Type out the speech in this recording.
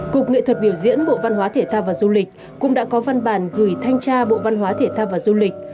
cục nghệ thuật biểu diễn bộ văn hóa thể thao và du lịch cũng đã có văn bản gửi thanh tra bộ văn hóa thể thao và du lịch